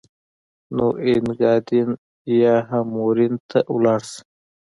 نو اینګادین یا هم مورین ته ولاړ شه.